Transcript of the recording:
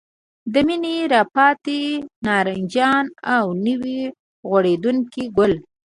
د مني راپاتې نارنجان او نوي غوړېدونکي ګل.